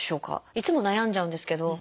いつも悩んじゃうんですけど。